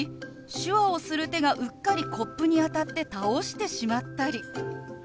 手話をする手がうっかりコップに当たって倒してしまったり。